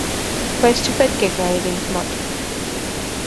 Բայց չպետք է գայիր ինձ մոտ…